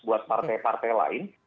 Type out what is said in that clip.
buat partai partai lain